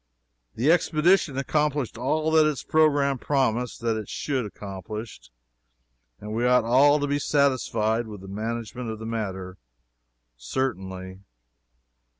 The expedition accomplished all that its programme promised that it should accomplish, and we ought all to be satisfied with the management of the matter, certainly.